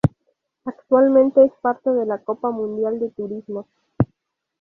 Actualmente es parte de la Copa Mundial de Turismos.